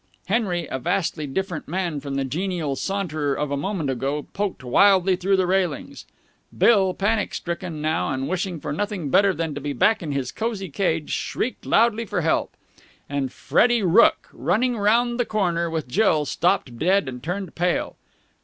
Henry, a vastly different man from the genial saunterer of a moment ago, poked wildly through the railings. Bill, panic stricken now and wishing for nothing better than to be back in his cosy cage, shrieked loudly for help. And Freddie Rooke, running round the corner with Jill, stopped dead and turned pale.